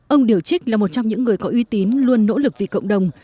ông điều trích là một trong những người có uy tín luôn nỗ lực vì cộng đồng